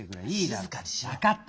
分かった。